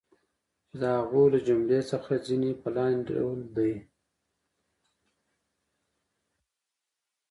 چی د هغو له جملی څخه د ځینی په لاندی ډول دی